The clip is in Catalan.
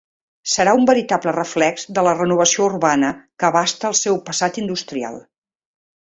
Serà un veritable reflex de la renovació urbana que abasta el seu passat industrial.